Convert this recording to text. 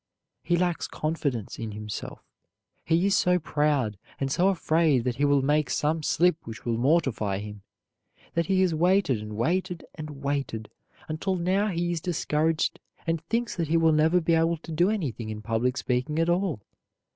He lacks confidence in himself. He is so proud, and so afraid that he will make some slip which will mortify him, that he has waited and waited and waited until now he is discouraged and thinks that he will never be able to do anything in public speaking at all.